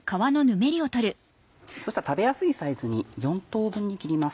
そしたら食べやすいサイズに４等分に切ります。